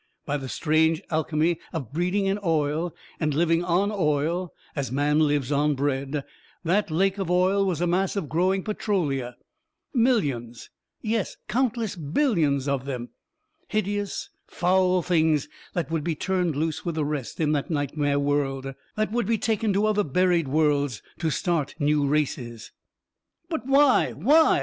By the strange alchemy of breeding in oil and living on oil as man lives on bread, that lake of oil was a mass of growing Petrolia. Millions yes, countless billions of them! Hideous, foul Things that would be turned loose with the rest in that nightmare world that would be taken to other buried worlds to start new races. "But why why?"